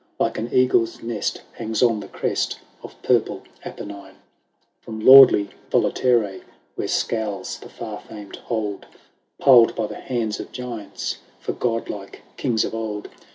Like an eagle's nest, hangs on the crest Of purple Apennine ; IV. From lordly Volaterras, Where scowls the far famed hold Piled by the hands of giants For godlike kings of old ; HORATIUS.